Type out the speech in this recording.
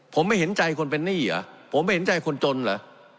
ผมไม่เห็นใจคนเป็นนี่อ่ะผมไม่เห็นใจคนจนล่ะ